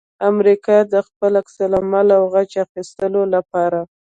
امریکا د خپل عکس العمل او غچ اخستلو لپاره